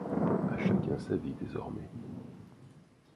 À chacun sa vie désormais.